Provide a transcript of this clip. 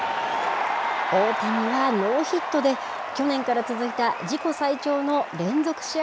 大谷はノーヒットで、去年から続いた自己最長の連続試合